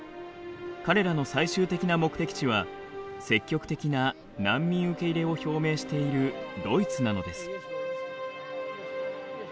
彼らの最終的な目的地は積極的な難民受け入れを表明しているドイツなのです。